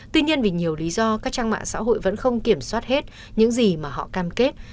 tuy nhiên vì nhiều lý do các trang mạng xã hội vẫn không kiểm soát hết những gì mà họ cam kết